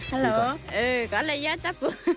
ฮัลโหลเออก็อะไรเยอะจ๊ะ